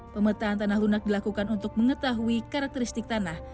pemetaan tanah lunak dilakukan untuk mengetahui karakteristik tanah